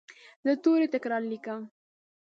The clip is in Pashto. زه توري تکرار لیکم.